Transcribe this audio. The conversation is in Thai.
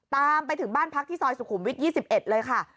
ตามไปถึงบ้านพักที่ซอยสุขุมวิท๒๑เลยค่ะ